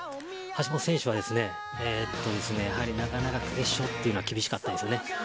橋本選手は、やはりなかなか決勝というのは厳しかったですね。